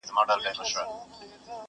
مار يې ولیدی چي پروت وو بېگمانه؛